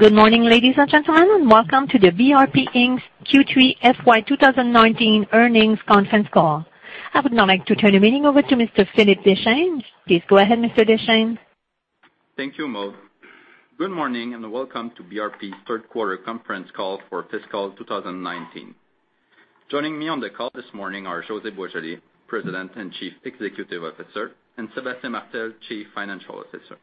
Good morning, ladies and gentlemen, and welcome to the BRP Inc.'s Q3 FY 2019 earnings conference call. I would now like to turn the meeting over to Mr. Philippe Deschênes. Please go ahead, Mr. Deschênes. Thank you, Maude. Good morning, and welcome to BRP's Q3 conference call for fiscal 2019. Joining me on the call this morning are José Boisjoli, President and Chief Executive Officer, and Sébastien Martel, Chief Financial Officer.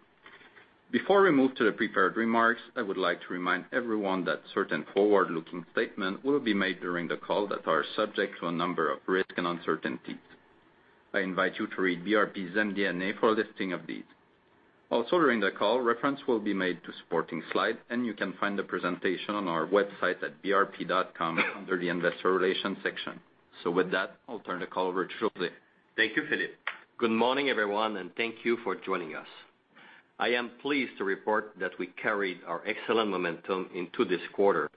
Before we move to the prepared remarks, I would like to remind everyone that certain forward-looking statements will be made during the call that are subject to a number of risks and uncertainties. I invite you to read BRP's MD&A for a listing of these. Also, during the call, reference will be made to supporting slides, and you can find the presentation on our website at brp.com under the Investor Relations section. With that, I'll turn the call over to José. Thank you, Philippe. Good morning, everyone, and thank you for joining us. I am pleased to report that we carried our excellent momentum into this quarter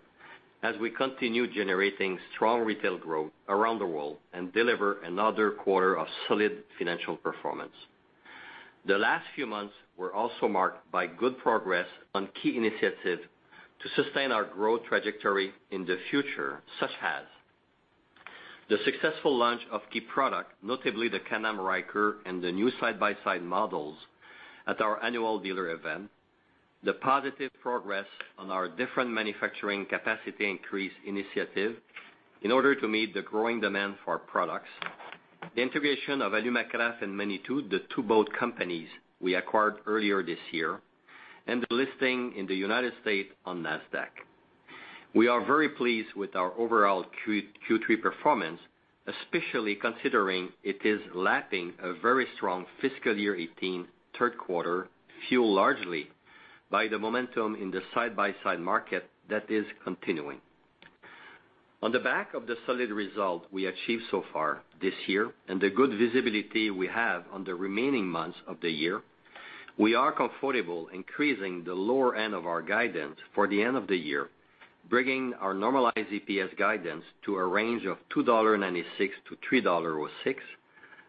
as we continue generating strong retail growth around the world and deliver another quarter of solid financial performance. The last few months were also marked by good progress on key initiatives to sustain our growth trajectory in the future such as the successful launch of key product, notably the Can-Am Ryker and the new Side-by-Side models at our annual dealer event, the positive progress on our different manufacturing capacity increase initiative in order to meet the growing demand for our products, the integration of Alumacraft and Manitou, the two boat companies we acquired earlier this year, and the listing in the United States on Nasdaq. We are very pleased with our overall Q3 performance, especially considering it is lapping a very strong fiscal year 2018 Q3, fueled largely by the momentum in the Side-by-Side market that is continuing. On the back of the solid result we achieved so far this year and the good visibility we have on the remaining months of the year, we are comfortable increasing the lower end of our guidance for the end of the year, bringing our normalized EPS guidance to a range of 2.96 dollar - 3.06,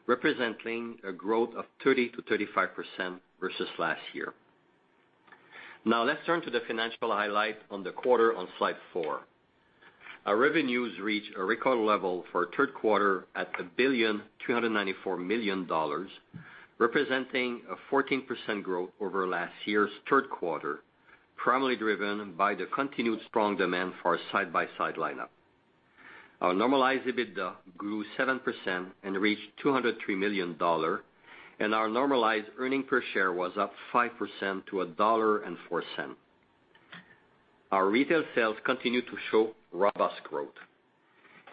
representing a growth of 30%-35% versus last year. Now, let's turn to the financial highlights on the quarter on slide four. Our revenues reached a record level for Q3 at 1.394 billion, representing a 14% growth over last year's third quarter, primarily driven by the continued strong demand for our Side-by-Side lineup. Our normalized EBITDA grew seven percent and reached 203 million dollar, and our normalized earnings per share was up five percent to 1.04 dollar. Our retail sales continue to show robust growth.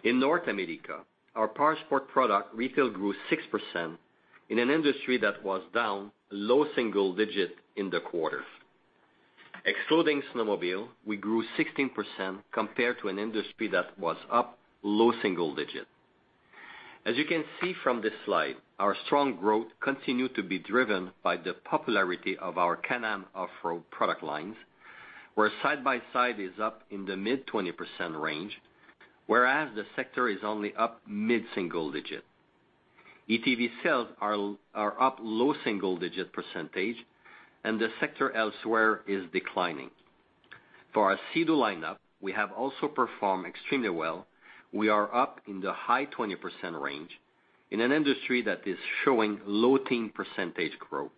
In North America, our Powersports product retail grew six percent in an industry that was down low single-digit in the quarter. Excluding snowmobile, we grew 16% compared to an industry that was up low single-digit. As you can see from this slide, our strong growth continued to be driven by the popularity of our Can-Am Off-Road product lines, where Side-by-Side is up in the mid-20% range, whereas the sector is only up mid-single-digit. ATV sales are up low single-digit percentage, and the sector elsewhere is declining. For our Sea-Doo lineup, we have also performed extremely well. We are up in the high-20% range in an industry that is showing low-teen percentage growth.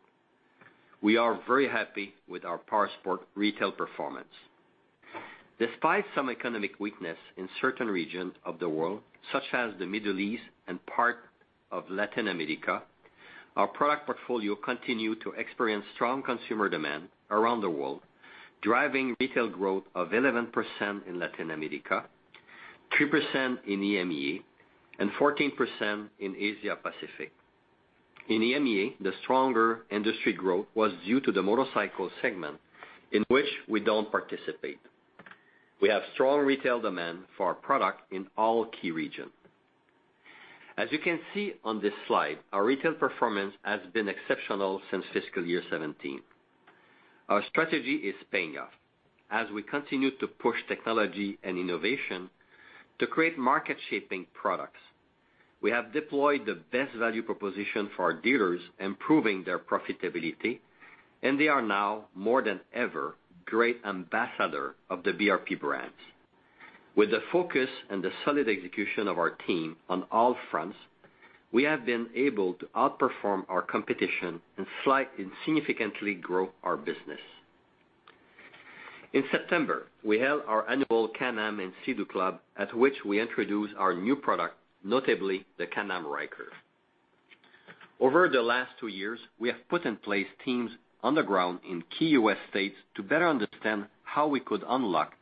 We are very happy with our Powersports retail performance. Despite some economic weakness in certain regions of the world, such as the Middle East and part of Latin America, our product portfolio continued to experience strong consumer demand around the world, driving retail growth of 11% in Latin America, three percent in EMEA, and 14% in Asia Pacific. In EMEA, the stronger industry growth was due to the motorcycle segment in which we don't participate. We have strong retail demand for our product in all key regions. As you can see on this slide, our retail performance has been exceptional since fiscal year 2017. Our strategy is paying off as we continue to push technology and innovation to create market-shaping products. We have deployed the best value proposition for our dealers, improving their profitability, and they are now more than ever great ambassadors of the BRP brands. With the focus and the solid execution of our team on all fronts, we have been able to outperform our competition and significantly grow our business. In September, we held our annual Can-Am and Sea-Doo Club, at which we introduced our new product, notably the Can-Am Ryker. Over the last two years, we have put in place teams on the ground in key U.S. states to better understand how we could unlock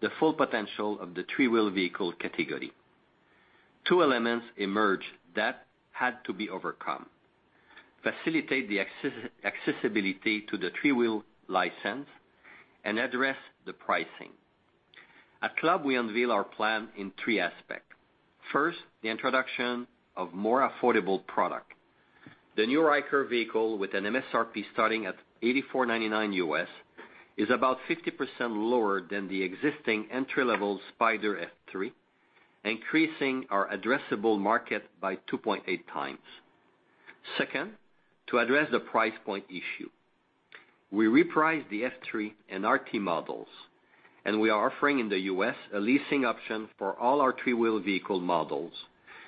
the full potential of the three-wheel vehicle category. Two elements emerged that had to be overcome. Facilitate the accessibility to the three-wheel license and address the pricing. At Club, we unveiled our plan in three aspects. First, the introduction of more affordable product. The new Ryker vehicle, with an MSRP starting at $8,499 U.S., is about 50% lower than the existing entry-level Spyder F3, increasing our addressable market by 2.8x. Second, to address the price point issue. We repriced the F3 and RT models, and we are offering in the U.S. a leasing option for all our three-wheel vehicle models.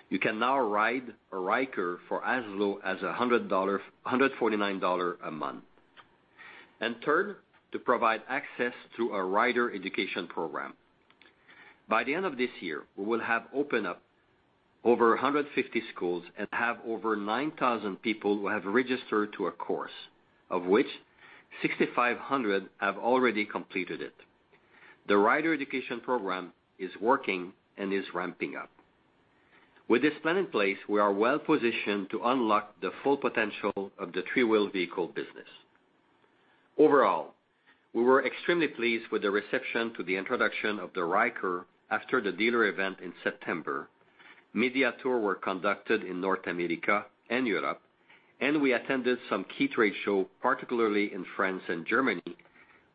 You can now ride a Ryker for as low as $149 a month. Third, to provide access to a rider education program. By the end of this year, we will have opened up over 150 schools and have over 9,000 people who have registered to a course, of which 6,500 have already completed it. The rider education program is working and is ramping up. With this plan in place, we are well-positioned to unlock the full potential of the three-wheel vehicle business. Overall, we were extremely pleased with the reception to the introduction of the Ryker after the dealer event in September. Media tours were conducted in North America and Europe, and we attended some key trade shows, particularly in France and Germany,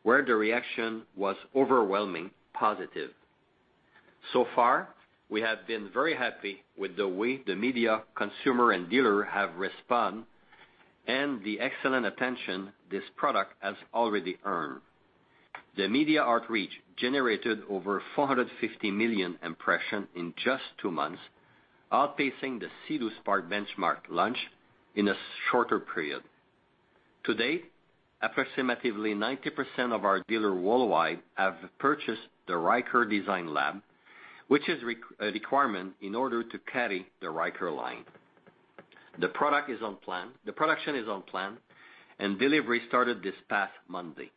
where the reaction was overwhelmingly positive. We have been very happy with the way the media, consumers, and dealers have responded and the excellent attention this product has already earned. The media outreach generated over 450 million impressions in just two months, outpacing the Sea-Doo Spark benchmark launch in a shorter period. To date, approximately 90% of our dealers worldwide have purchased the Ryker Design Lab, which is a requirement in order to carry the Ryker line. The production is on plan, and delivery started this past Monday.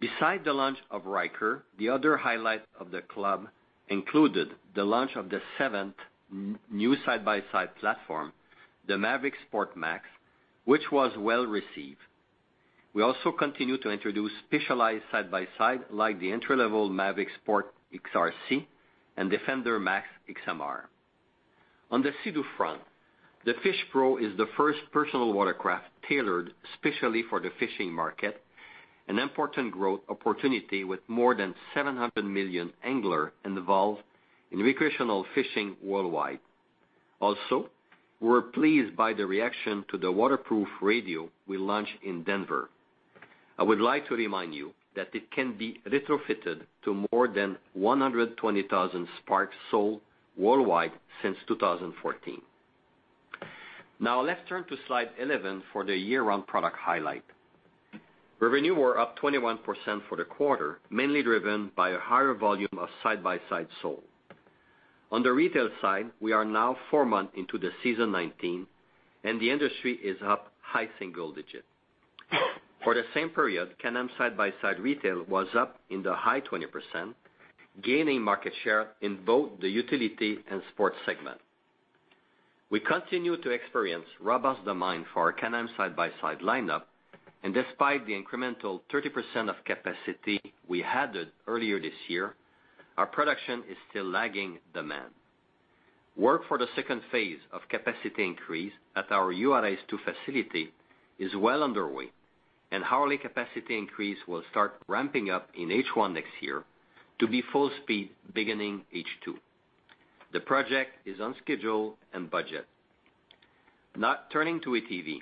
Besides the launch of Ryker, the other highlight of the call included the launch of the seventh new side-by-side platform, the Maverick Sport MAX, which was well-received. We also continue to introduce specialized side-by-sides, like the entry-level Maverick Sport X rc and Defender MAX XMR. On the Sea-Doo front, the Fish Pro is the first personal watercraft tailored specially for the fishing market, an important growth opportunity with more than 700 million anglers involved in recreational fishing worldwide. Also, we were pleased by the reaction to the waterproof radio we launched in Denver. I would like to remind you that it can be retrofitted to more than 120,000 Sparks sold worldwide since 2014. Let's turn to slide 11 for the year-round product highlight. Revenue was up 21% for the quarter, mainly driven by a higher volume of side-by-sides sold. On the retail side, we are now four months into the season 2019, and the industry is up high single digits. For the same period, Can-Am side-by-side retail was up in the high 20%, gaining market share in both the utility and sport segment. We continue to experience robust demand for our Can-Am side-by-side lineup, and despite the incremental 30% of capacity we added earlier this year, our production is still lagging demand. Work for the second phase of capacity increase at our Juarez two facility is well underway, and hourly capacity increase will start ramping up in H1 next year to be full speed beginning H2. The project is on schedule and budget. Turning to ATV.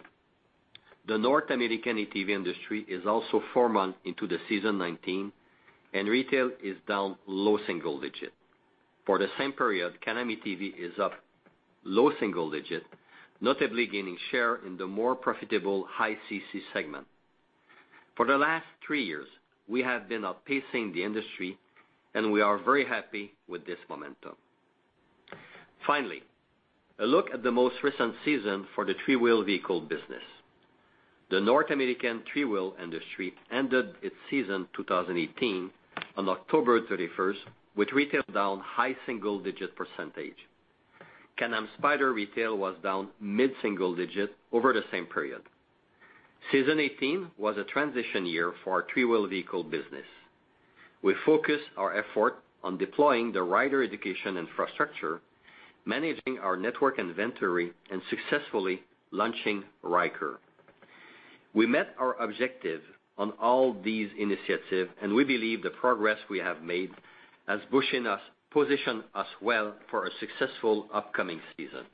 The North American ATV industry is also four months into the season 2019, and retail is down low single digits. For the same period, Can-Am ATV is up low single digits, notably gaining share in the more profitable high CC segment. For the last three years, we have been outpacing the industry, and we are very happy with this momentum. A look at the most recent season for the three-wheel vehicle business. The North American three-wheel industry ended its season 2018 on October 31st with retail down high single-digit percentage. Can-Am Spyder retail was down mid-single digit over the same period. Season 2018 was a transition year for our three-wheel vehicle business. We focused our efforts on deploying the rider education infrastructure, managing our network inventory, and successfully launching Ryker. We met our objectives on all these initiatives, and we believe the progress we have made has positioned us well for a successful upcoming season.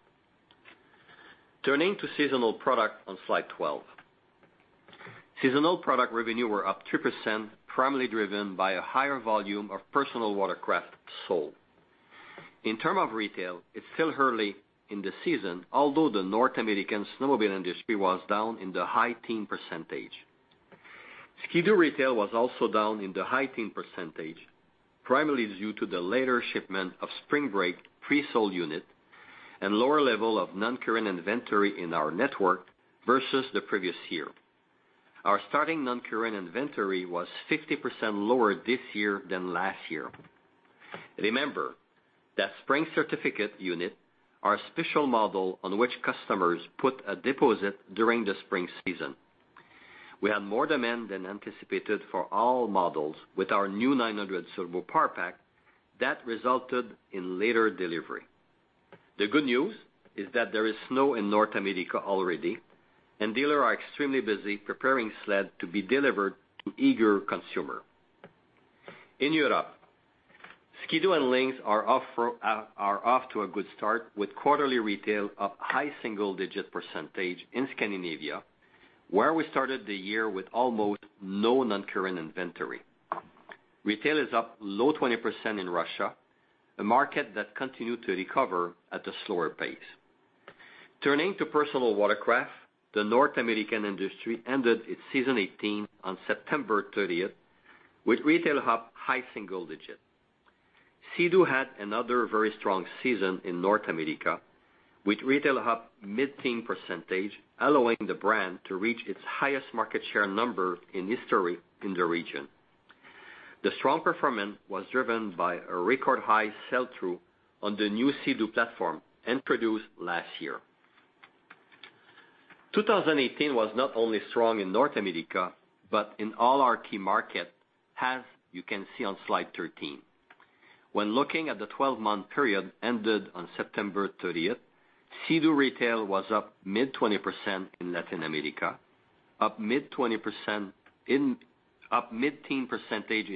Turning to seasonal product on slide 12. Seasonal product revenue was up three percent, primarily driven by a higher volume of personal watercraft sold. In terms of retail, it's still early in the season, although the North American snowmobile industry was down in the high-teen percentage. Sea-Doo retail was also down in the high-teen percentage, primarily due to the later shipment of Spring Order pre-sold units and lower level of non-current inventory in our network versus the previous year. Our starting non-current inventory was 50% lower this year than last year. Remember that Spring Order units are a special model on which customers put a deposit during the spring season. We had more demand than anticipated for all models with our new 900 ACE Turbo that resulted in later delivery. The good news is that there is snow in North America already. Dealers are extremely busy preparing sleds to be delivered to eager consumers. In Europe, Ski-Doo and Lynx are off to a good start with quarterly retail up high single-digit percentage in Scandinavia, where we started the year with almost no non-current inventory. Retail is up low 20% in Russia, a market that continued to recover at a slower pace. Turning to personal watercraft, the North American industry ended its season 2018 on September 30th, with retail up high single-digit. Sea-Doo had another very strong season in North America, with retail up mid-teen percentage, allowing the brand to reach its highest market share number in history in the region. The strong performance was driven by a record high sell-through on the new Sea-Doo platform introduced last year. 2018 was not only strong in North America, but in all our key markets, as you can see on slide 13. When looking at the 12-month period ended on September 30th, Sea-Doo retail was up mid-20% in Latin America, up mid-teen percentage in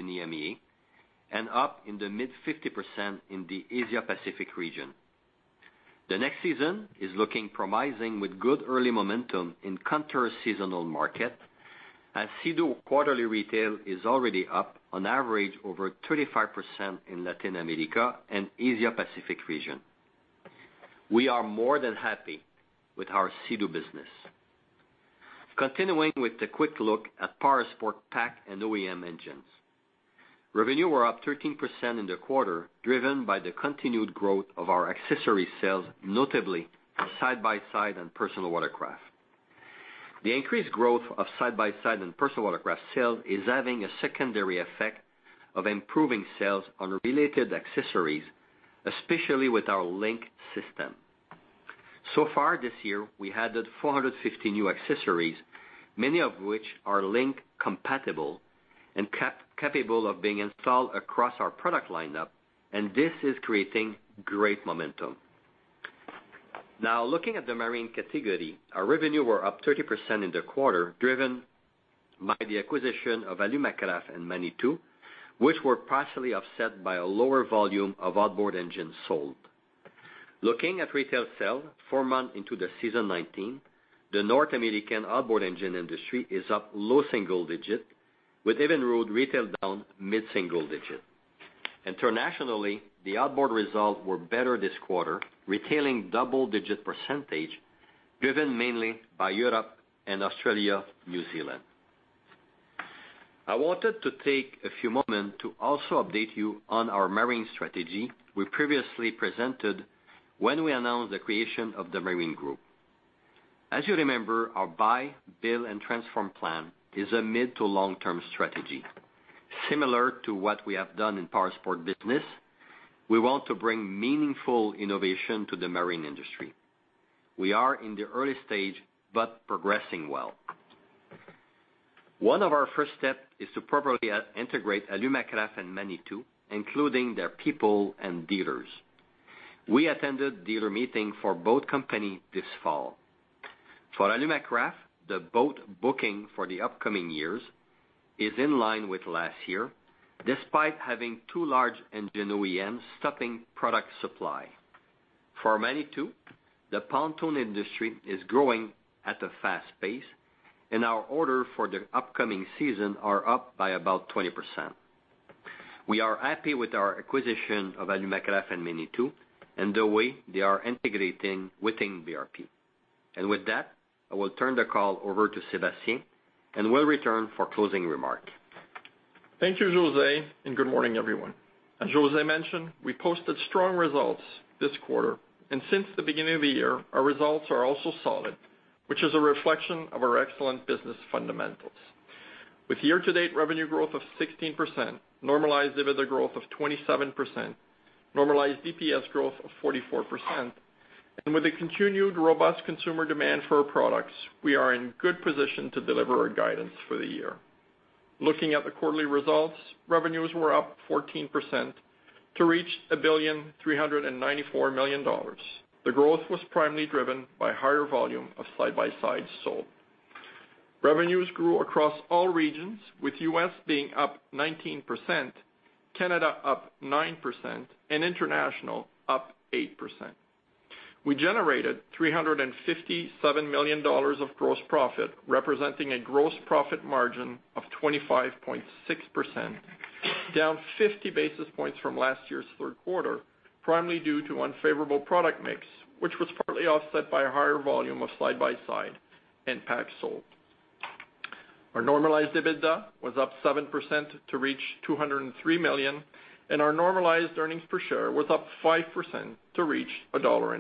EMEA, and up in the mid-50% in the Asia-Pacific region. The next season is looking promising with good early momentum in counter seasonal market. Sea-Doo quarterly retail is already up on average over 35% in Latin America and Asia-Pacific region. We are more than happy with our Sea-Doo business. Continuing with the quick look at Powersports PAC and OEM engines. Revenue were up 13% in the quarter, driven by the continued growth of our accessory sales, notably on side-by-side and personal watercraft. The increased growth of side-by-side and personal watercraft sales is having a secondary effect of improving sales on related accessories, especially with our LinQ system. So far this year, we added 450 new accessories, many of which are LinQ compatible and capable of being installed across our product lineup, and this is creating great momentum. Looking at the Marine category, our revenue were up 30% in the quarter, driven by the acquisition of Alumacraft and Manitou, which were partially offset by a lower volume of outboard engines sold. Looking at retail sales four months into the season 2019, the North American outboard engine industry is up low single-digit, with Evinrude retail down mid-single-digit. Internationally, the outboard results were better this quarter, retailing double-digit percentage, driven mainly by Europe and Australia, New Zealand. I wanted to take a few moments to also update you on our Marine strategy we previously presented when we announced the creation of the Marine Group. As you remember, our buy, build, and transform plan is a mid to long-term strategy. Similar to what we have done in Powersport business, we want to bring meaningful innovation to the Marine industry. We are in the early stage, but progressing well. One of our first steps is to properly integrate Alumacraft and Manitou, including their people and dealers. We attended dealer meeting for both companies this fall. For Alumacraft, the boat booking for the upcoming years is in line with last year, despite having two large engine OEMs stopping product supply. For Manitou, the pontoon industry is growing at a fast pace, and our orders for the upcoming season are up by about 20%. We are happy with our acquisition of Alumacraft and Manitou, and the way they are integrating within BRP. With that, I will turn the call over to Sébastien, and will return for closing remarks. Thank you, José, and good morning, everyone. As José mentioned, we posted strong results this quarter. Since the beginning of the year, our results are also solid, which is a reflection of our excellent business fundamentals. With year-to-date revenue growth of 16%, normalized EBITDA growth of 27%, normalized EPS growth of 44%, and with a continued robust consumer demand for our products, we are in good position to deliver our guidance for the year. Looking at the quarterly results, revenues were up 14% to reach 1 billion 394 million. The growth was primarily driven by higher volume of side-by-sides sold. Revenues grew across all regions, with U.S. being up 19%, Canada up nine percent, and international up eight percent. We generated 357 million dollars of gross profit, representing a gross profit margin of 25.6%, down 50 basis points from last year's third quarter, primarily due to unfavorable product mix, which was partly offset by a higher volume of side-by-side and PAC sold. Our normalized EBITDA was up seven percent to reach 203 million, and our normalized earnings per share was up five percent to reach 1.04 dollar.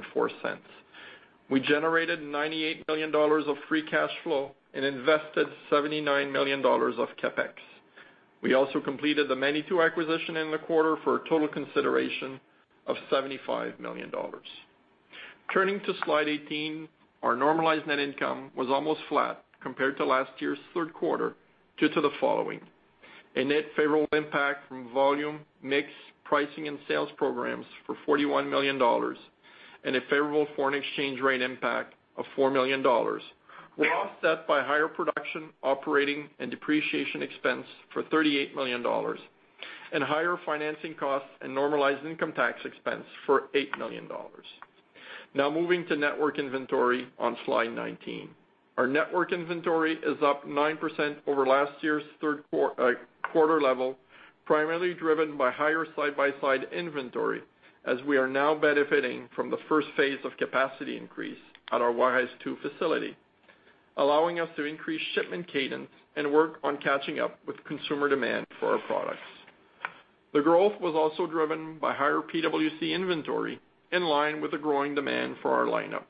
We generated 98 million dollars of free cash flow and invested 79 million dollars of CapEx. We also completed the Manitou acquisition in the quarter for a total consideration of 75 million dollars. Turning to Slide 18, our normalized net income was almost flat compared to last year's third quarter due to the following: a net favorable impact from volume, mix, pricing, and sales programs for 41 million dollars. A favorable foreign exchange rate impact of 4 million dollars was offset by higher production, operating and depreciation expense for 38 million dollars and higher financing costs and normalized income tax expense for 8 million dollars. Moving to network inventory on Slide 19. Our network inventory is up nine percent over last year's Q3 level, primarily driven by higher side-by-side inventory, as we are now benefiting from the first phase of capacity increase at our Juarez two facility, allowing us to increase shipment cadence and work on catching up with consumer demand for our products. The growth was also driven by higher PWC inventory in line with the growing demand for our lineup.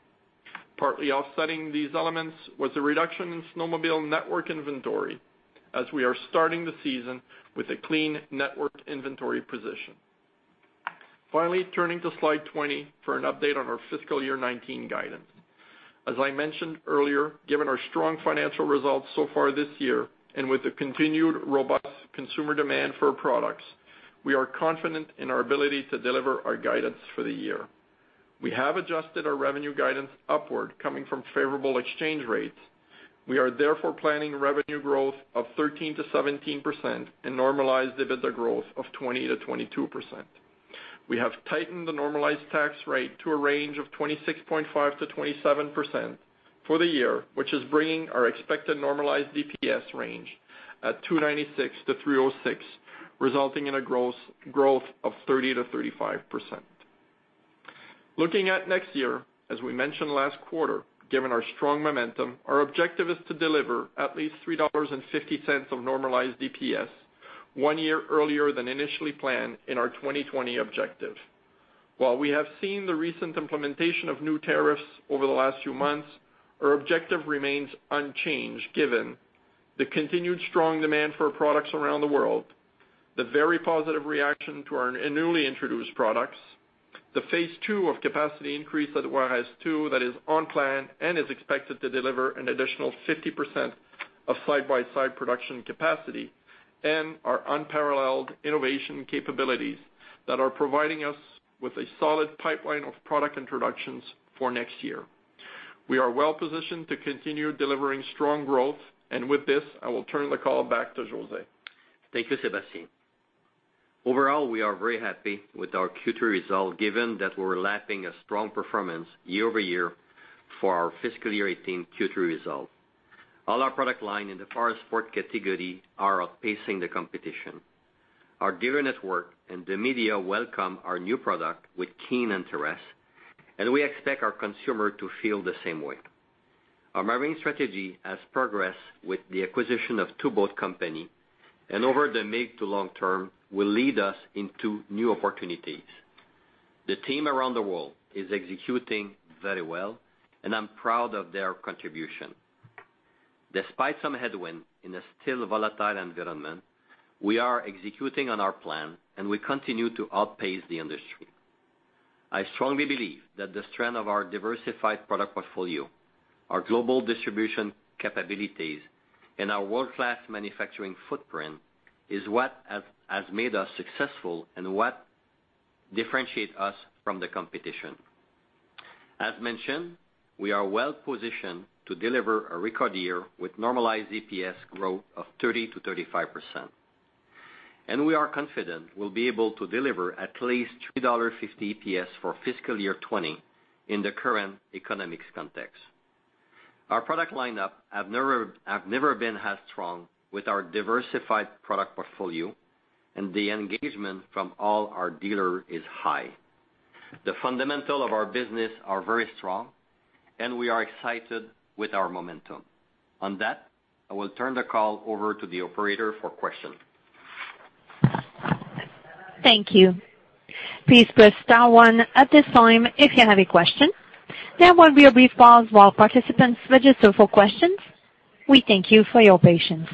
Partly offsetting these elements was a reduction in snowmobile network inventory, as we are starting the season with a clean network inventory position. Turning to Slide 20 for an update on our fiscal year 2019 guidance. I mentioned earlier, given our strong financial results so far this year, with the continued robust consumer demand for our products, we are confident in our ability to deliver our guidance for the year. We have adjusted our revenue guidance upward, coming from favorable exchange rates. We are planning revenue growth of 13%-17% and normalized EBITDA growth of 20%-22%. We have tightened the normalized tax rate to a range of 26.5%-27% for the year, which is bringing our expected normalized EPS range at 2.96-3.06, resulting in a growth of 30%-35%. Looking at next year, we mentioned last quarter, given our strong momentum, our objective is to deliver at least 3.50 dollars of normalized EPS one year earlier than initially planned in our 2020 objective. We have seen the recent implementation of new tariffs over the last few months, our objective remains unchanged given the continued strong demand for products around the world, the very positive reaction to our newly introduced products, the phase II of capacity increase at Juarez two that is on plan and is expected to deliver an additional 50% of side-by-side production capacity, and our unparalleled innovation capabilities that are providing us with a solid pipeline of product introductions for next year. We are well-positioned to continue delivering strong growth. With this, I will turn the call back to José. Thank you, Sébastien. Overall, we are very happy with our Q3 result, given that we're lapping a strong performance year-over-year for our fiscal year 2018 Q3 result. All our product line in the Powersports category are outpacing the competition. Our dealer network and the media welcome our new product with keen interest, and we expect our consumer to feel the same way. Our marine strategy has progressed with the acquisition of two boat companies and over the mid- to long-term will lead us into new opportunities. The team around the world is executing very well and I'm proud of their contribution. Despite some headwind in a still volatile environment, we are executing on our plan and we continue to outpace the industry. I strongly believe that the strength of our diversified product portfolio, our global distribution capabilities, and our world-class manufacturing footprint is what has made us successful and what differentiates us from the competition. As mentioned, we are well-positioned to deliver a record year with normalized EPS growth of 30%-35%. We are confident we'll be able to deliver at least 3.50 dollar EPS for fiscal year 2020 in the current economics context. Our product lineup have never been as strong with our diversified product portfolio and the engagement from all our dealer is high. The fundamental of our business are very strong and we are excited with our momentum. On that, I will turn the call over to the operator for question. Thank you. Please press star one at this time if you have a question. There will be a brief pause while participants register for questions. We thank you for your patience.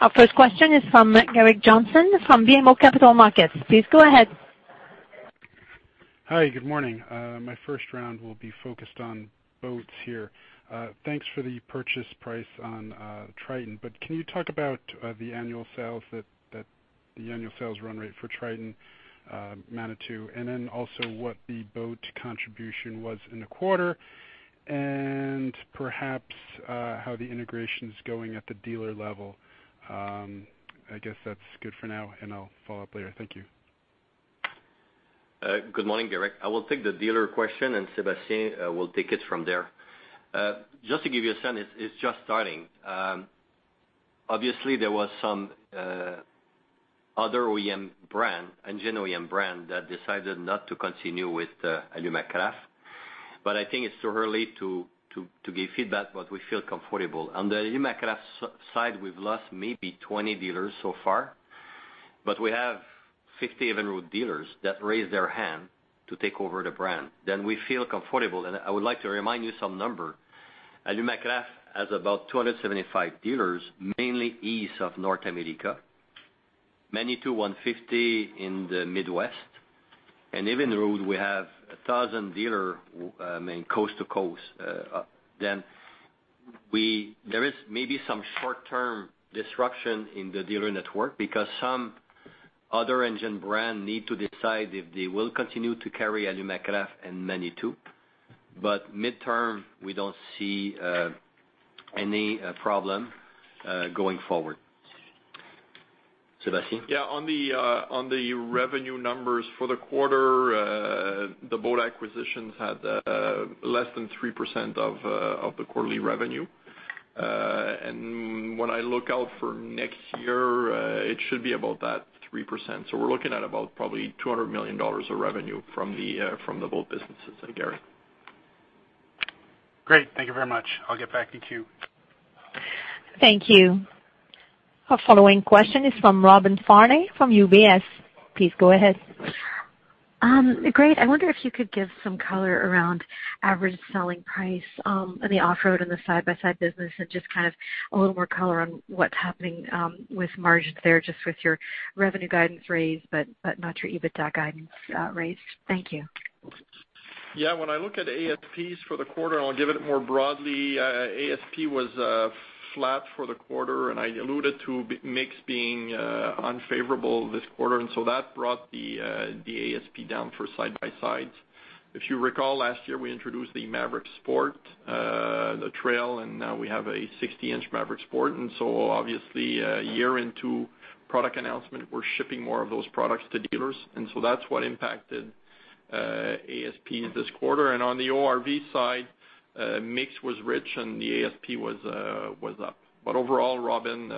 Our first question is from Derek Johnson from BMO Capital Markets. Please go ahead. Hi. Good morning. My first round will be focused on boats here. Thanks for the purchase price on Alumacraft, but can you talk about the annual sales run rate for Alumacraft, Manitou, and then also what the boat contribution was in the quarter, and perhaps how the integration is going at the dealer level? I guess that's good for now, and I'll follow up later. Thank you. Good morning, Derek. I will take the dealer question and Sébastien will take it from there. Just to give you a sense, it's just starting. Obviously, there was some other engine OEM brand that decided not to continue with Alumacraft, but I think it's too early to give feedback, but we feel comfortable. On the Alumacraft side, we've lost maybe 20 dealers so far, but we have 50 Evinrude dealers that raised their hand to take over the brand. We feel comfortable. I would like to remind you some number. Alumacraft has about 275 dealers, mainly east of North America. Manitou, 150 in the Midwest. Even though we have 1,000 dealers coast to coast, there is maybe some short-term disruption in the dealer network because some other engine brands need to decide if they will continue to carry Alumacraft and Manitou. mid-term, we don't see any problem going forward. Sébastien? On the revenue numbers for the quarter, the Boat acquisitions had less than three percent of the quarterly revenue. When I look out for next year, it should be about that three percent. We're looking at about probably 200 million dollars of revenue from the Boat businesses. Gerrick? Great. Thank you very much. I'll get back in queue. Thank you. Our following question is from Robin Farley from UBS. Please go ahead. Great. I wonder if you could give some color around average selling price on the off-road and the side-by-side business, and just kind of a little more color on what's happening with margins there, just with your revenue guidance raised, but not your EBITDA guidance raised. Thank you. Yeah. When I look at ASPs for the quarter, and I'll give it more broadly, ASP was flat for the quarter, and I alluded to mix being unfavorable this quarter. That brought the ASP down for side-by-sides. If you recall, last year we introduced the Maverick Sport Trail, and now we have a 60-inch Maverick Sport. Obviously, a year into product announcement, we're shipping more of those products to dealers. That's what impacted ASP this quarter. On the ORV side, mix was rich and the ASP was up. But overall, Robin,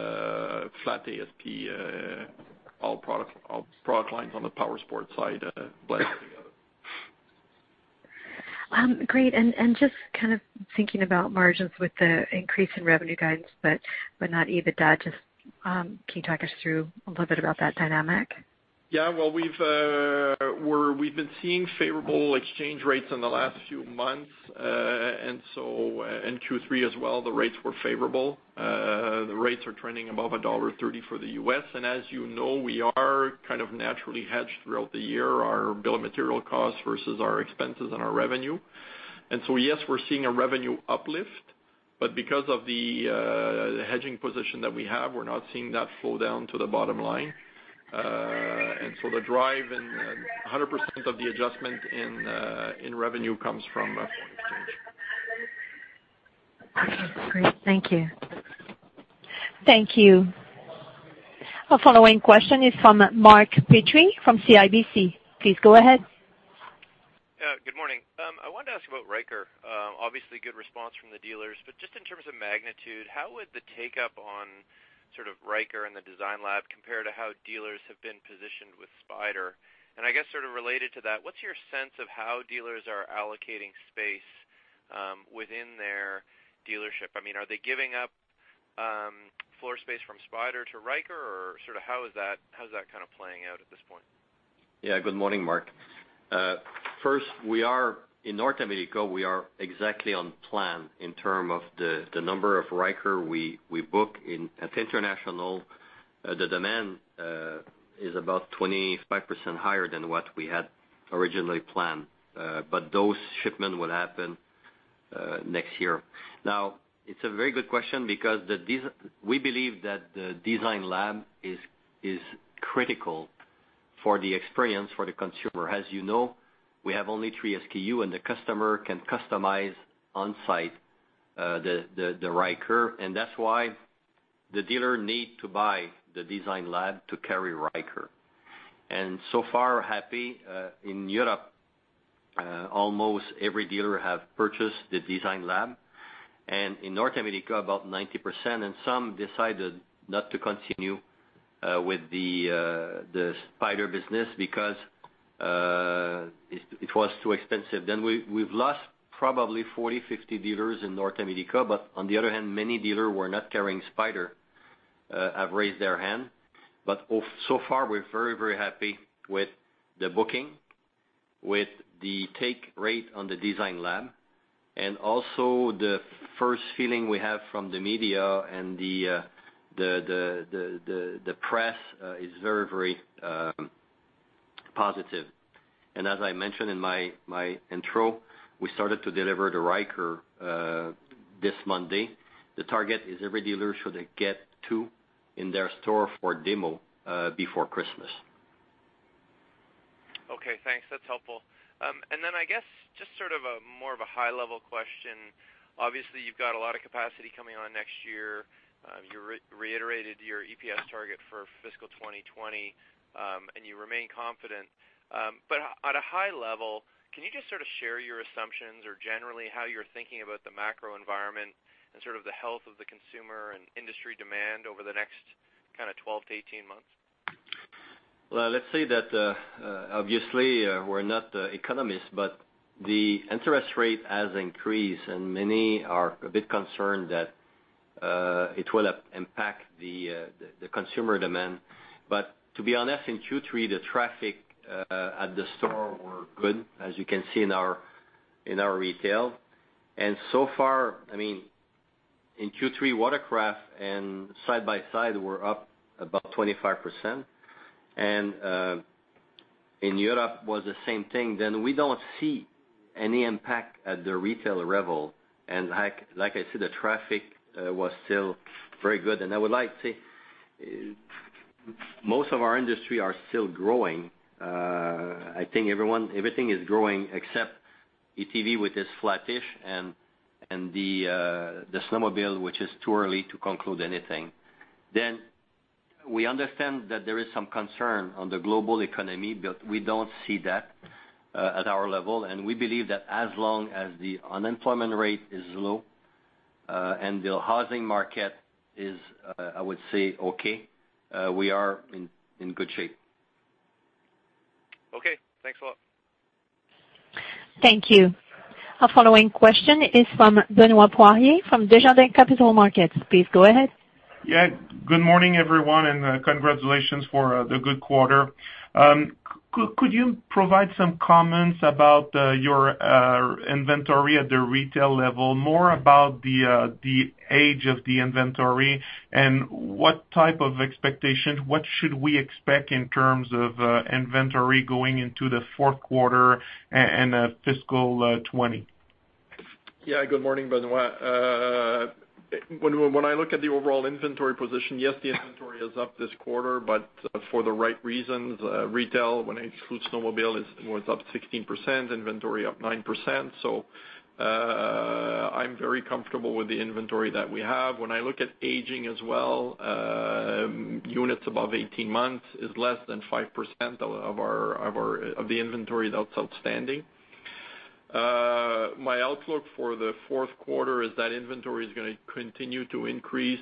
flat ASP, all product lines on the Powersports side blended together. Great. Just kind of thinking about margins with the increase in revenue guidance, but not EBITDA, just can you talk us through a little bit about that dynamic? Yeah. We've been seeing favorable exchange rates in the last few months. Q3 as well, the rates were favorable. The rates are trending above dollar 1.30 for the U.S. and as you know, we are kind of naturally hedged throughout the year, our bill of material cost versus our expenses and our revenue. Yes, we're seeing a revenue uplift, but because of the hedging position that we have, we're not seeing that flow down to the bottom line. The drive and 100% of the adjustment in revenue comes from foreign exchange. Okay, great. Thank you. Thank you. Our following question is from Mark Petrie from CIBC. Please go ahead. Good morning. I wanted to ask about Ryker. Obviously, good response from the dealers, just in terms of magnitude, how would the take up on sort of Ryker and the design lab compare to how dealers have been positioned with Spyder? I guess sort of related to that, what's your sense of how dealers are allocating space within their dealership? I mean, are they giving up floor space from Spyder to Ryker or sort of how is that kind of playing out at this point? Yeah. Good morning, Mark. First, in North America, we are exactly on plan in term of the number of Ryker we book in. At international, the demand is about 25% higher than what we had originally planned. Those shipments will happen next year. It's a very good question because we believe that the design lab is critical for the experience for the consumer. As you know, we have only three SKU and the customer can customize on-site the Ryker and that's why the dealer need to buy the design lab to carry Ryker. So far happy, in Europe almost every dealer have purchased the design lab and in North America about 90% and some decided not to continue with the Spyder business because it was too expensive. We've lost probably 40, 50 dealers in North America. On the other hand, many dealers who were not carrying Spyder have raised their hand. So far, we're very happy with the booking, with the take rate on the Design Lab and also the first feeling we have from the media and the press is very positive. As I mentioned in my intro, we started to deliver the Ryker this Monday. The target is every dealer should get two in their store for demo before Christmas. Okay, thanks. That's helpful. Then I guess just sort of a more of a high level question. Obviously, you've got a lot of capacity coming on next year. You reiterated your EPS target for fiscal 2020, you remain confident. At a high level, can you just sort of share your assumptions or generally how you're thinking about the macro environment and sort of the health of the consumer and industry demand over the next kind of 12 - 18 months? Well, let's say that, obviously, we're not economists, the interest rate has increased, many are a bit concerned that it will impact the consumer demand. To be honest, in Q3, the traffic at the store were good, as you can see in our retail. So far, in Q3, watercraft and side-by-side were up about 25%, in Europe was the same thing. We don't see any impact at the retail level. Like I said, the traffic was still very good. I would like to say, most of our industry are still growing. I think everything is growing except ATV, which is flattish, and the snowmobile, which is too early to conclude anything. We understand that there is some concern on the global economy, we don't see that at our level. We believe that as long as the unemployment rate is low and the housing market is, I would say, okay, we are in good shape. Okay. Thanks a lot. Thank you. Our following question is from Benoit Poirier, from Desjardins Capital Markets. Please go ahead. Good morning, everyone, and congratulations for the good quarter. Could you provide some comments about your inventory at the retail level, more about the age of the inventory and what type of expectations, what should we expect in terms of inventory going into the Q4 and fiscal 2020? Good morning, Benoit. When I look at the overall inventory position, yes, the inventory is up this quarter, but for the right reasons. Retail, when I exclude snowmobile, was up 16%, inventory up nine percent. I'm very comfortable with the inventory that we have. When I look at aging as well, units above 18 months is less than five percent of the inventory that's outstanding. My outlook for the fourth quarter is that inventory is going to continue to increase,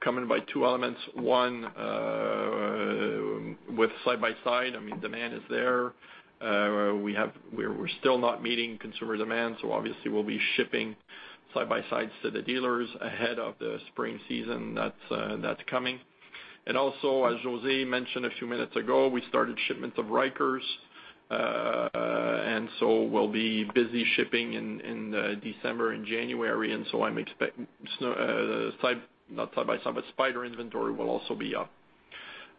coming by two elements. One, with side-by-side, demand is there. We're still not meeting consumer demand, so obviously we'll be shipping side-by-sides to the dealers ahead of the spring season that's coming. Also, as José mentioned a few minutes ago, we started shipments of Ryker, and so we'll be busy shipping in December and January, and so I'm expecting Spyder inventory will also be up.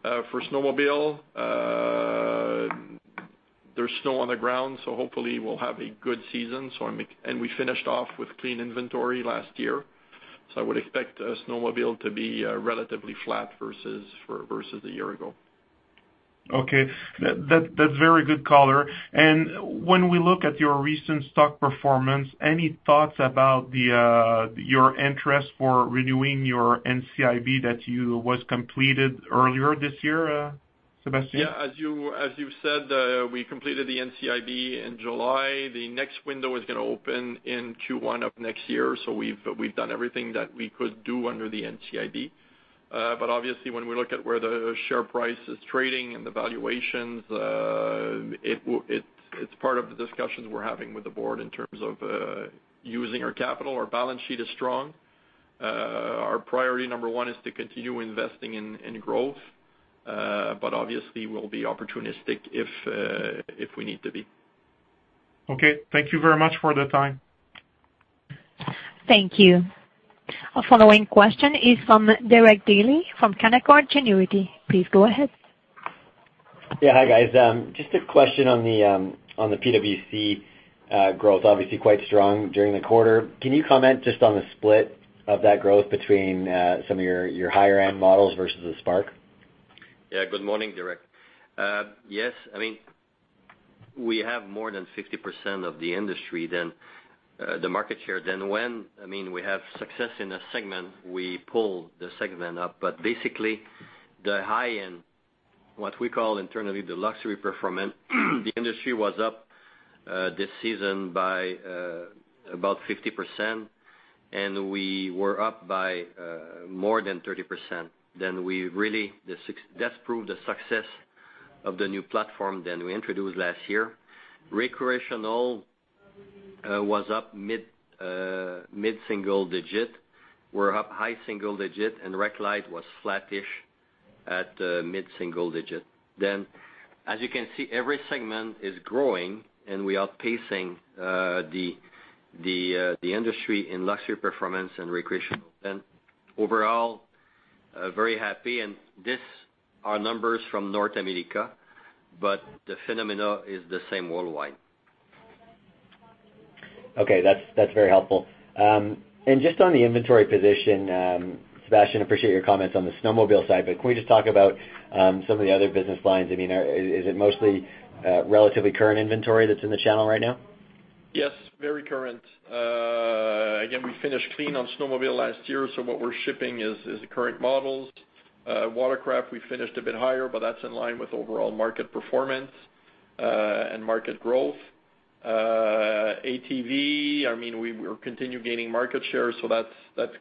For snowmobile, there's snow on the ground, hopefully we'll have a good season. We finished off with clean inventory last year, I would expect snowmobile to be relatively flat versus a year ago. Okay. That's very good color. When we look at your recent stock performance, any thoughts about your interest for renewing your NCIB that was completed earlier this year, Sébastien? Yeah, as you said, we completed the NCIB in July. The next window is going to open in Q1 of next year, we've done everything that we could do under the NCIB. Obviously, when we look at where the share price is trading and the valuations, it's part of the discussions we're having with the board in terms of using our capital. Our balance sheet is strong. Our priority number one is to continue investing in growth. Obviously, we'll be opportunistic if we need to be. Okay. Thank you very much for the time. Thank you. Our following question is from Derek Dley from Canaccord Genuity. Please go ahead. Yeah. Hi, guys. Just a question on the PWC growth, obviously quite strong during the quarter. Can you comment just on the split of that growth between some of your higher-end models versus the Spark? Yeah. Good morning, Derek. Yes, we have more than 50% of the industry than the market share. When we have success in a segment, we pull the segment up. Basically, the high-end, what we call internally the luxury performance, the industry was up this season by about 50%, and we were up by more than 30%. That proved the success of the new platform that we introduced last year. Recreational was up mid-single digit. We're up high single digit, and rec lite was flattish at mid-single digit. As you can see, every segment is growing, and we are pacing the industry in luxury performance and recreational. Overall, very happy. These are numbers from North America, but the phenomena is the same worldwide. Okay. That's very helpful. Just on the inventory position, Sébastien, appreciate your comments on the snowmobile side, but can we just talk about some of the other business lines? Is it mostly relatively current inventory that's in the channel right now? Yes, very current. We finished clean on snowmobile last year, what we're shipping is the current models. Watercraft, we finished a bit higher, that's in line with overall market performance and market growth. ATV, we continue gaining market share, that's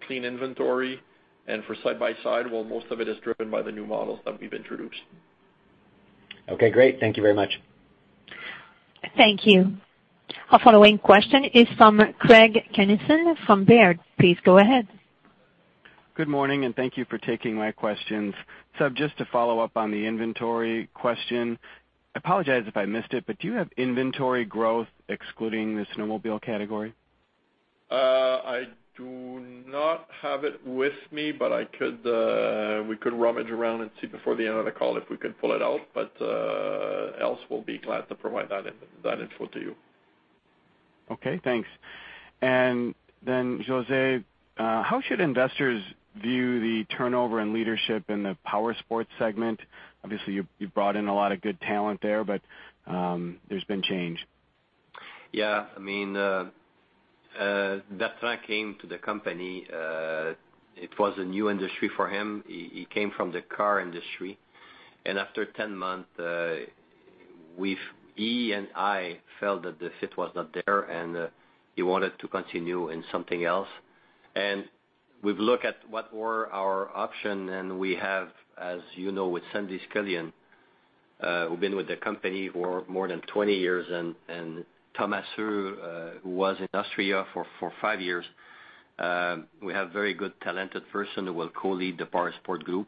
clean inventory. For side-by-side, well, most of it is driven by the new models that we've introduced. Okay, great. Thank you very much. Thank you. Our following question is from Craig Kennison from Baird. Please go ahead. Good morning, thank you for taking my questions. Just to follow up on the inventory question, I apologize if I missed it, do you have inventory growth excluding the snowmobile category? I do not have it with me, but we could rummage around and see before the end of the call if we could pull it out, but else, we will be glad to provide that info to you. Okay, thanks. José, how should investors view the turnover in leadership in the Powersports segment? Obviously, you brought in a lot of good talent there, but there has been change. Yeah. Bertrand came to the company, it was a new industry for him. He came from the car industry. After 10 months, he and I felt that the fit was not there, he wanted to continue in something else. We have looked at what were our options, and we have, as you know, with Sandy Scullion, who has been with the company for more than 20 years, and Thomas, who was in Austria for five years. We have very good talented person who will co-lead the Powersports group.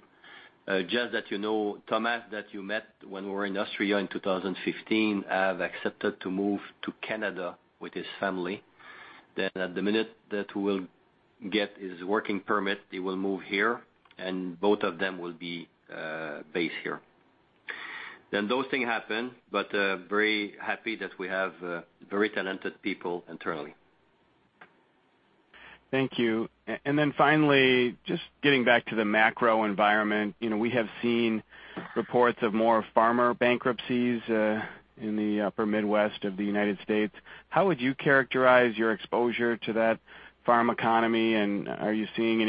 Just that you know, Thomas, that you met when we were in Austria in 2015, has accepted to move to Canada with his family. At the minute that we will get his working permit, he will move here and both of them will be based here. Those things happen, but very happy that we have very talented people internally. Thank you. Finally, just getting back to the macro environment. We have seen reports of more farmer bankruptcies, in the upper Midwest of the U.S. How would you characterize your exposure to that farm economy, and are you seeing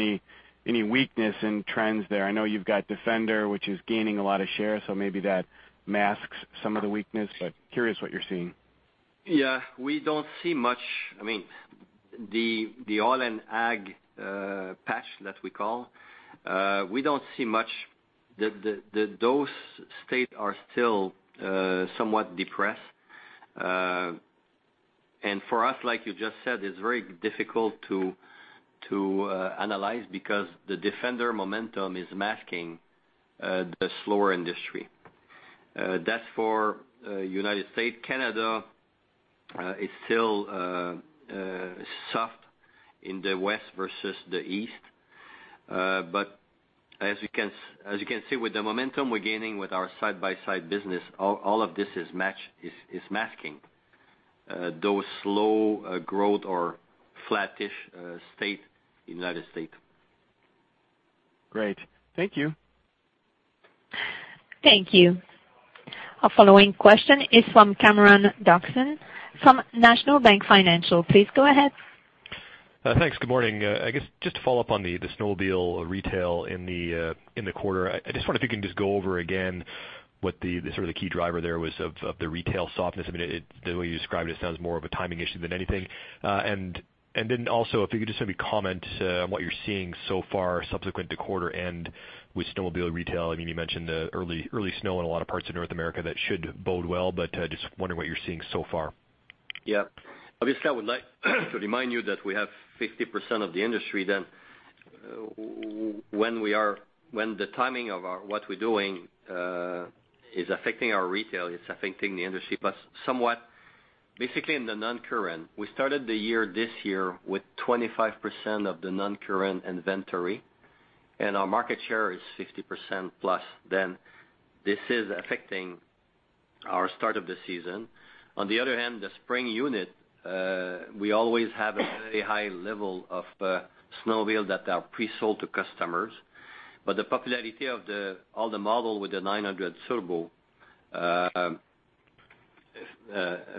any weakness in trends there? I know you've got Defender, which is gaining a lot of share, so maybe that masks some of the weakness, but curious what you're seeing. Yeah. We don't see much. The oil and ag patch that we call, we don't see much. Those states are still somewhat depressed. For us, like you just said, it's very difficult to analyze because the Defender momentum is masking the slower industry. That's for U.S. Canada is still soft in the West versus the East. As you can see, with the momentum we're gaining with our side-by-side business, all of this is masking those slow growth or flattish state in U.S. Great. Thank you. Thank you. Our following question is from Cameron Doerksen from National Bank Financial. Please go ahead. Thanks. Good morning. I guess just to follow up on the snowmobile retail in the quarter. I just wonder if you can just go over again what the sort of key driver there was of the retail softness. I mean, the way you described it sounds more of a timing issue than anything. If you could just maybe comment on what you're seeing so far subsequent to quarter end with snowmobile retail. You mentioned the early snow in a lot of parts of North America that should bode well, but just wondering what you're seeing so far. Yeah. Obviously, I would like to remind you that we have 50% of the industry. When the timing of what we're doing is affecting our retail, it's affecting the industry, but somewhat, basically in the non-current. We started the year this year with 25% of the non-current inventory, and our market share is 50% plus. This is affecting our start of the season. On the other hand, the spring unit, we always have a very high level of snowmobile that are pre-sold to customers. The popularity of all the model with the 900 Turbo,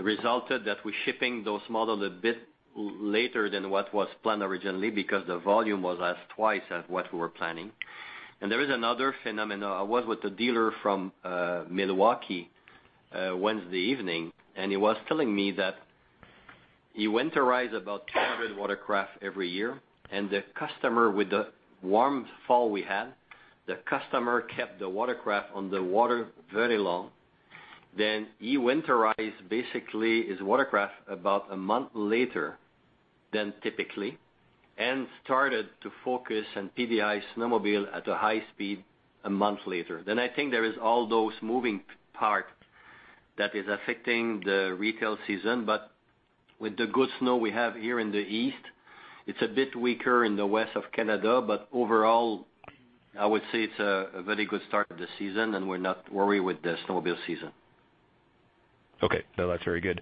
resulted that we're shipping those models a bit later than what was planned originally because the volume was at twice as what we were planning. There is another phenomenon. I was with a dealer from Milwaukee Wednesday evening, and he was telling me that he winterize about 200 watercraft every year. With the warm fall we had, the customer kept the watercraft on the water very long. He winterize basically his watercraft about a month later than typically and started to focus on PDI snowmobile at a high speed a month later. I think there is all those moving part that is affecting the retail season. With the good snow we have here in the East, it's a bit weaker in the west of Canada, but overall, I would say it's a very good start to the season, and we're not worried with the snowmobile season. Okay. No, that's very good.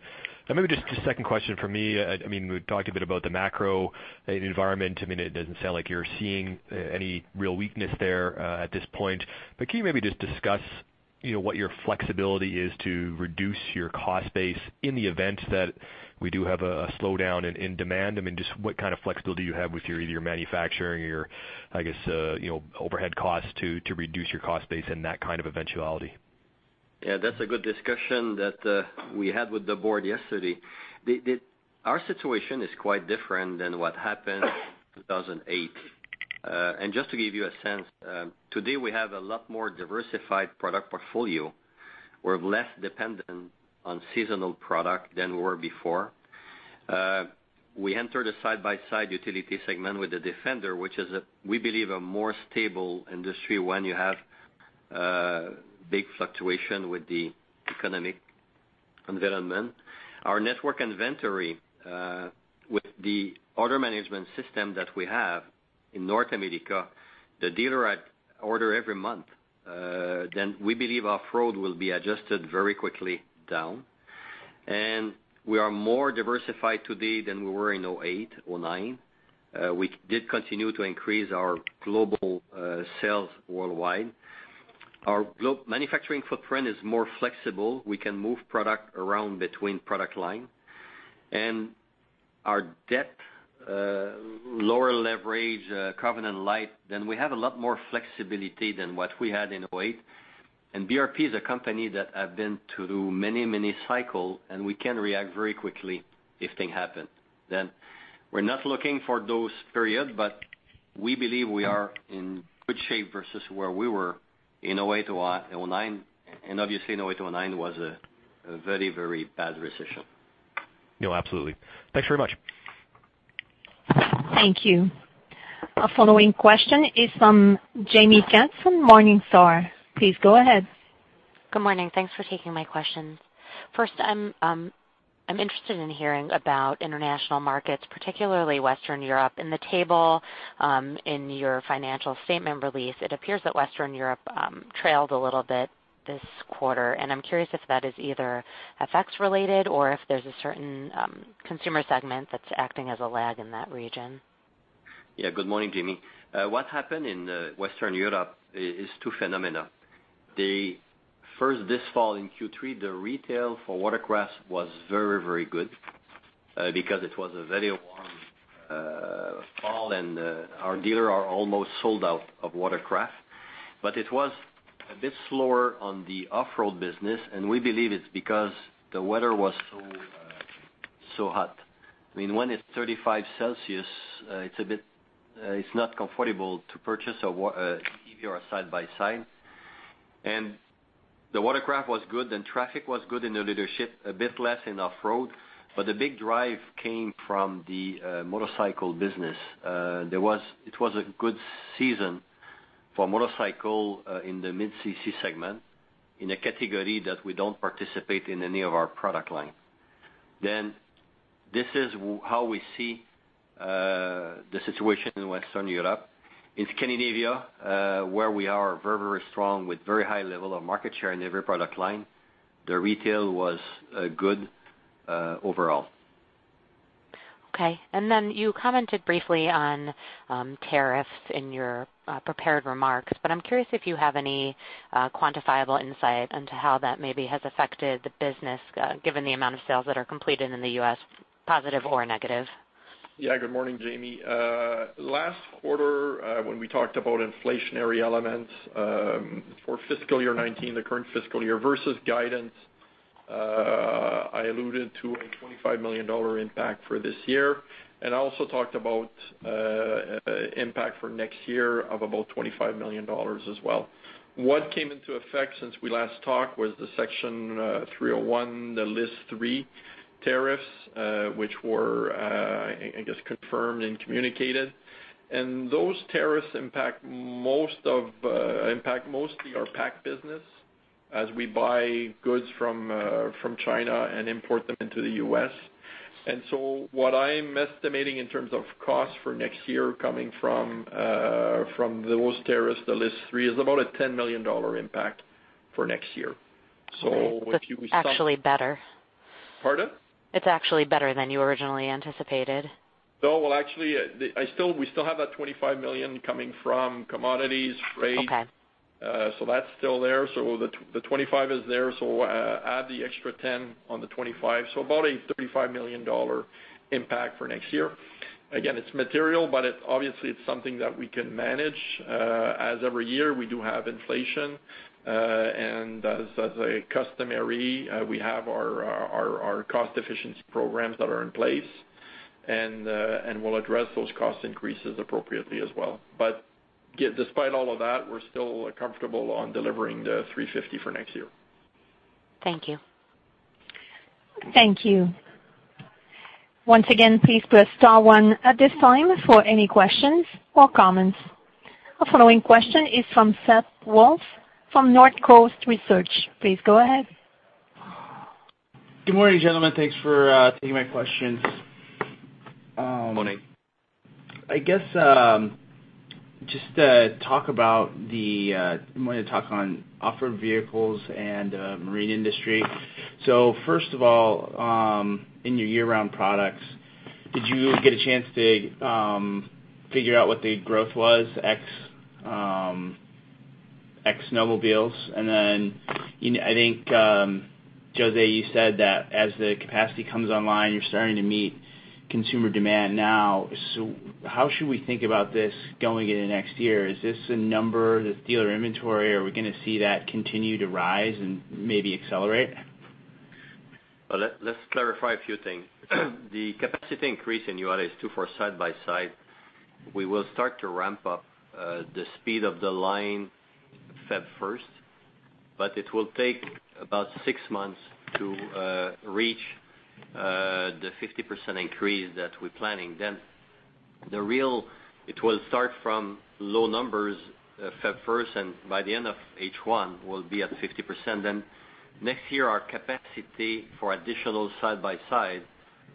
Maybe just a second question from me. We've talked a bit about the macro environment. It doesn't sound like you're seeing any real weakness there at this point. Can you maybe just discuss what your flexibility is to reduce your cost base in the event that we do have a slowdown in demand? Just what kind of flexibility you have with your either your manufacturing or your, I guess, overhead costs to reduce your cost base in that kind of eventuality? Yeah, that's a good discussion that we had with the board yesterday. Our situation is quite different than what happened 2008. Just to give you a sense, today we have a lot more diversified product portfolio. We're less dependent on seasonal product than we were before. We entered a side-by-side utility segment with a Defender, which is, we believe, a more stable industry when you have big fluctuation with the economic environment. Our network inventory with the order management system that we have in North America, the dealer order every month. We believe off-road will be adjusted very quickly down. We are more diversified today than we were in 2008, 2009. We did continue to increase our global sales worldwide. Our manufacturing footprint is more flexible. We can move product around between product line. Our debt, lower leverage, covenant light, we have a lot more flexibility than what we had in 2008. BRP is a company that have been through many, many cycle, and we can react very quickly if thing happen. We're not looking for those period, but we believe we are in good shape versus where we were in 2008 - 2009, and obviously 2008 - 2009 was a very, very bad recession. No, absolutely. Thanks very much. Thank you. Our following question is from Jaime Katz from Morningstar. Please go ahead. Good morning. Thanks for taking my questions. First, I'm interested in hearing about international markets, particularly Western Europe. In the table in your financial statement release, it appears that Western Europe trailed a little bit this quarter, and I'm curious if that is either effects related or if there's a certain consumer segment that's acting as a lag in that region. Good morning, Jaime. What happened in Western Europe is two phenomena. First, this fall in Q3, the retail for watercraft was very, very good because it was a very warm fall and our dealer are almost sold out of watercraft. It was a bit slower on the off-road business, and we believe it's because the weather was so hot. When it's 35 degrees Celsius, it's not comfortable to purchase an ATV or a side-by-side. The watercraft was good and traffic was good in the dealership, a bit less in off-road, but the big drive came from the motorcycle business. It was a good season for motorcycle in the mid CC segment, in a category that we don't participate in any of our product line. This is how we see the situation in Western Europe. In Scandinavia, where we are very, very strong with very high level of market share in every product line, the retail was good overall. Okay. You commented briefly on tariffs in your prepared remarks, but I'm curious if you have any quantifiable insight into how that maybe has affected the business given the amount of sales that are completed in the U.S., positive or negative. Good morning, Jaime. Last quarter, when we talked about inflationary elements for fiscal year 2019, the current fiscal year versus guidance, I alluded to a 25 million dollar impact for this year and also talked about impact for next year of about 25 million dollars as well. What came into effect since we last talked was the Section 301, the list three tariffs, which were, I guess, confirmed and communicated. And those tariffs impact mostly our PAC business as we buy goods from China and import them into the U.S. And so what I'm estimating in terms of cost for next year coming from those tariffs, the list three, is about a 10 million dollar impact for next year. So if you- It's actually better. Pardon? It's actually better than you originally anticipated. No, well, actually, we still have that 25 million coming from commodities, freight. Okay. That's still there. The 25 is there. Add the extra 10 on the 25. About a 35 million dollar impact for next year. Again, it's material, but obviously it's something that we can manage. As every year we do have inflation, and as a customary, we have our cost efficiency programs that are in place and we'll address those cost increases appropriately as well. Despite all of that, we're still comfortable on delivering the 350 for next year. Thank you. Thank you. Once again, please press star one at this time for any questions or comments. Our following question is from Seth Woolf from Northcoast Research. Please go ahead. Good morning, gentlemen. Thanks for taking my questions. Morning. I guess, just talk about the off-road vehicles and marine industry. First of all, in your year-round products, did you get a chance to figure out what the growth was ex snowmobiles? I think, José, you said that as the capacity comes online, you're starting to meet consumer demand now. How should we think about this going into next year? Is this a number, the dealer inventory? Are we going to see that continue to rise and maybe accelerate? Let's clarify a few things. The capacity increase in Juarez two, for side-by-side, we will start to ramp up the speed of the line Feb 1st. It will take about six months to reach the 50% increase that we're planning. It will start from low numbers Feb 1st, and by the end of H1, we'll be at 50%. Next year, our capacity for additional side-by-side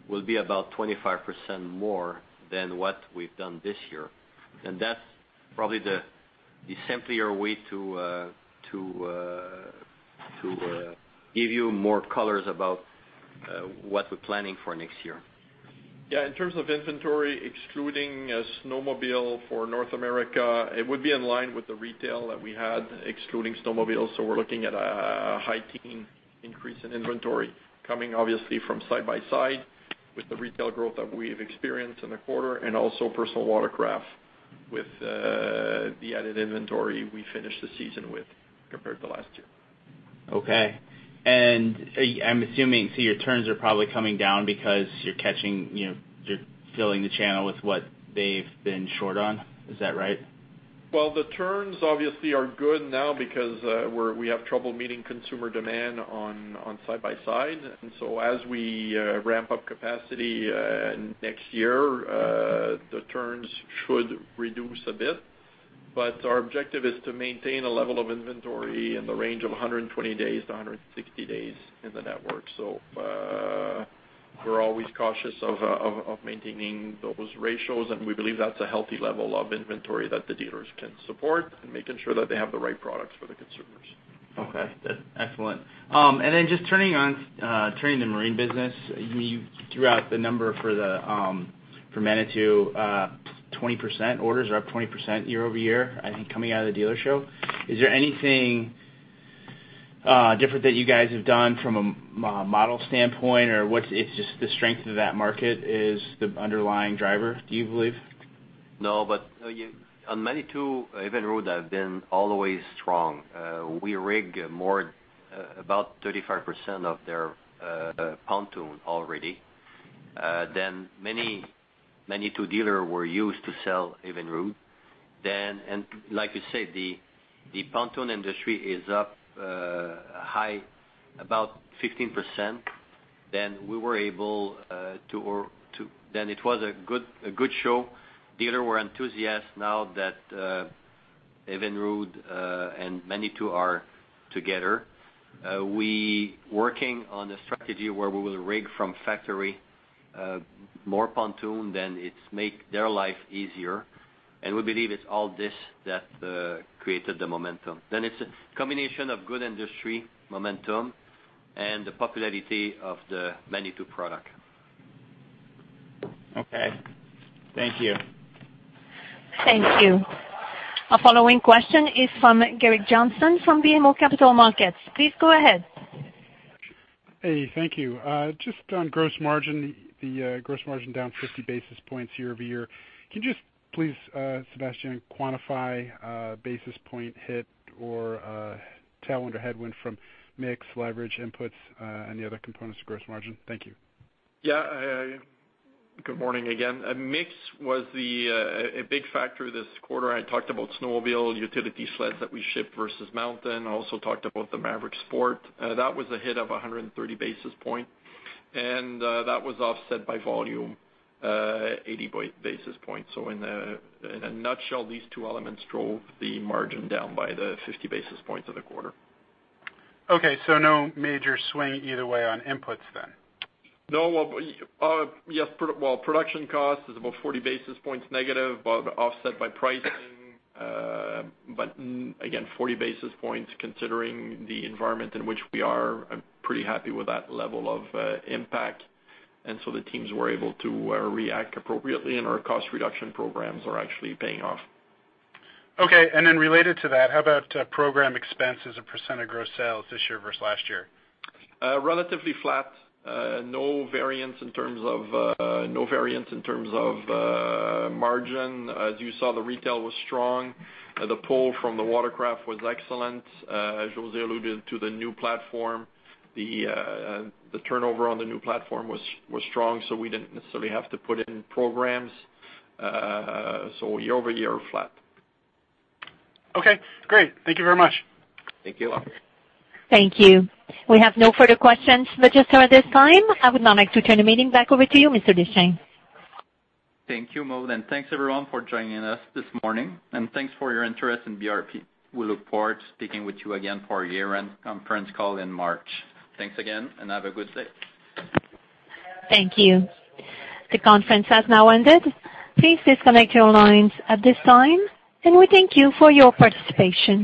will be about 25% more than what we've done this year. That's probably the simpler way to give you more colors about what we're planning for next year. Yeah. In terms of inventory, excluding a snowmobile for North America, it would be in line with the retail that we had, excluding snowmobiles. We're looking at a high teen increase in inventory coming obviously from side-by-side with the retail growth that we've experienced in the quarter, and also personal watercraft with the added inventory we finished the season with compared to last year. Okay. I'm assuming, so your turns are probably coming down because you're filling the channel with what they've been short on. Is that right? Well, the turns obviously are good now because we have trouble meeting consumer demand on side-by-side. As we ramp up capacity next year, the turns should reduce a bit. Our objective is to maintain a level of inventory in the range of 120-160 days in the network. We're always cautious of maintaining those ratios, and we believe that's a healthy level of inventory that the dealers can support and making sure that they have the right products for the consumers. Okay. Excellent. Just turning to marine business, you threw out the number for Manitou, 20%. Orders are up 20% year-over-year, I think coming out of the dealer show. Is there anything different that you guys have done from a model standpoint, or it's just the strength of that market is the underlying driver, do you believe? No. On Manitou, Evinrude have been always strong. We rig about 35% of their pontoon already. Manitou dealer were used to sell Evinrude. And like you said, the pontoon industry is up high, about 15%. It was a good show. Dealer were enthusiast now that Evinrude and Manitou are together. We working on a strategy where we will rig from factory more pontoon, it make their life easier, and we believe it's all this that created the momentum. It's a combination of good industry momentum and the popularity of the Manitou product. Okay. Thank you. Thank you. Our following question is from Gerrick Johnson from BMO Capital Markets. Please go ahead. Hey, thank you. Just on gross margin, the gross margin down 50 basis points year-over-year. Can you just please, Sébastien, quantify basis point hit or tailwind or headwind from mix leverage inputs, any other components to gross margin? Thank you. Good morning again. Mix was a big factor this quarter. I talked about snowmobile, utility sleds that we shipped versus mountain. I also talked about the Maverick Sport. That was a hit of 130 basis points, that was offset by volume 80 basis points. In a nutshell, these two elements drove the margin down by the 50 basis points of the quarter. Okay. No major swing either way on inputs then? No. Well, yes. Well, production cost is about 40 basis points negative, but offset by pricing. Again, 40 basis points considering the environment in which we are, I'm pretty happy with that level of impact. The teams were able to react appropriately and our cost reduction programs are actually paying off. Okay. Related to that, how about program expense as a % of gross sales this year versus last year? Relatively flat. No variance in terms of margin. As you saw, the retail was strong. The pull from the watercraft was excellent. As José alluded to the new platform, the turnover on the new platform was strong, so we didn't necessarily have to put in programs. Year-over-year, flat. Okay, great. Thank you very much. Thank you. Thank you. We have no further questions registered at this time. I would now like to turn the meeting back over to you, Mr. Deschênes. Thank you, Maude, and thanks everyone for joining us this morning. Thanks for your interest in BRP. We look forward to speaking with you again for our year-end conference call in March. Thanks again, and have a good day. Thank you. The conference has now ended. Please disconnect your lines at this time, and we thank you for your participation.